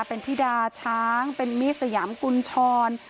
เป็นธิดาช้างเป็นมิสยามกุญชร